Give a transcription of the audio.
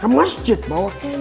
ke masjid bawa handphone